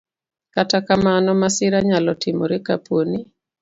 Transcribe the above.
Kata kamano, masira nyalo timore kapo ni